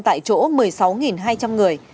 tại chỗ một mươi sáu hai trăm linh người